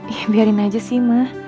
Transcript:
iya biarin aja sih ma